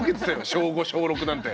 小５小６なんて。